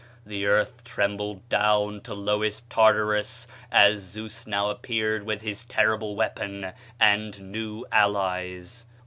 The earth trembled down to lowest Tartarus as Zeus now appeared with his terrible weapon and new allies.